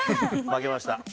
負けました。